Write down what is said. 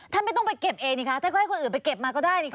ไม่ต้องไปเก็บเองนี่คะท่านก็ให้คนอื่นไปเก็บมาก็ได้นี่ค่ะ